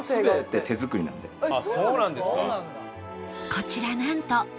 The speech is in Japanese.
こちらなんと創業